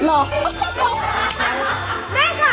กลับมารมันทราบ